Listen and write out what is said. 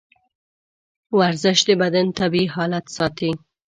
ورزش د بدن طبیعي حالت ساتي.